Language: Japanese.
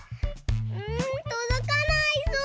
うんとどかないぞう。